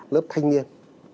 lớp thanh niên